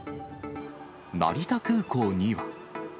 成田空港には。